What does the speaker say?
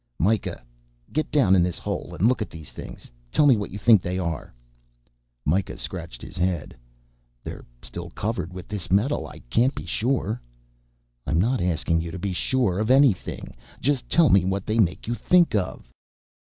"Mikah. Get down in this hole and look at these things. Tell me what you think they are." Mikah scratched his beard. "They're still covered with this metal, I can't be sure " "I'm not asking you to be sure of anything just tell me what they make you think of."